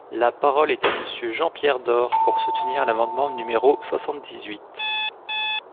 La parole est à Monsieur Jean-Pierre Door, pour soutenir l’amendement numéro soixante-dix-huit.